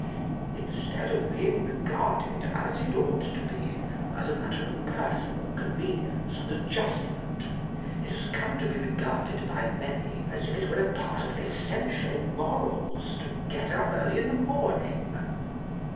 Instead of being regarded, as it ought to be, as a matter of personal convenience and adjustment, it has come to be regarded by many as if it were a part of essential morals to get up early in the morn ing.